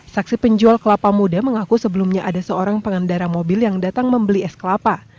saksi penjual kelapa muda mengaku sebelumnya ada seorang pengendara mobil yang datang membeli es kelapa